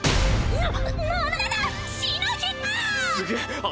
なっ！？